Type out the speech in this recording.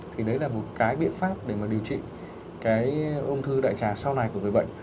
thì đấy là một cái biện pháp để mà điều trị cái ung thư đại trà sau này của người bệnh